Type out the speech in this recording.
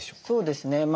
そうですね